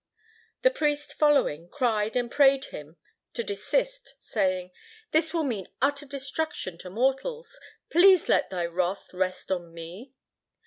The priest following cried and prayed him to desist, saying, "This will mean utter destruction to mortals; please let thy wrath rest on me."